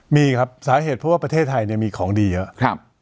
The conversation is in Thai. มีครับสาเหตุเพราะว่าประเทศไทยมีของดีเยอะ